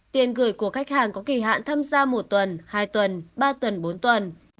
tiền gửi của khách hàng có kỳ hạn tham gia một tuần hai tuần ba tuần bốn tuần